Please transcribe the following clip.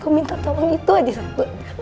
kau minta tolong itu aja satu aja